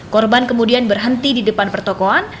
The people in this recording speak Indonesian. korban kemudian berhenti di depan pertokohan